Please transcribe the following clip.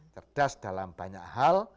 cerdas dalam banyak hal